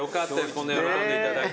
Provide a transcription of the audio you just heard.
こんな喜んでいただいて。